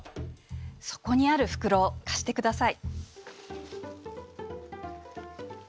そこにある袋貸してください。